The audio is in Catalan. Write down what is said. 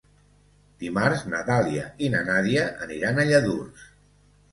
Dimarts na Dàlia i na Nàdia aniran a Lladurs.